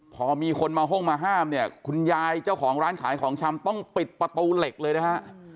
พอมีคนมาห้องมาห้ามเนี่ยคุณยายเจ้าของร้านขายของชำต้องปิดประตูเหล็กเลยนะฮะ